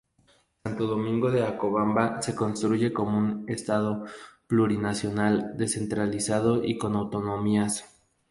Santo Domingo de Acobamba se constituye como un estado plurinacional, descentralizado y con autonomías.